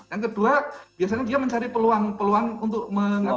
yang kedua biasanya dia mencari peluang peluang untuk mengatasi